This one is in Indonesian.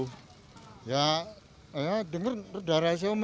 hai ya dengan peradaa somini pengguna abe